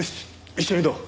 一緒にどう？